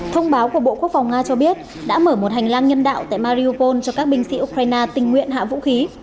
thông báo của bộ quốc phòng nga cho biết đã mở một hành lang nhân đạo tại mariopol cho các binh sĩ ukraine tình nguyện hạ vũ khí